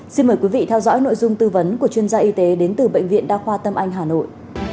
xin mời quý vị theo dõi nội dung tư vấn của chuyên gia y tế đến từ bệnh viện đa khoa tâm anh hà nội